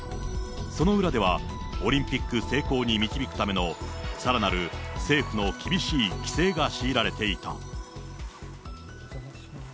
その裏では、オリンピック成功に導くためのさらなる政府の厳しい規制が強いられていた。